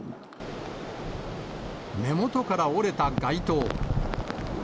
根元から折れた街灯。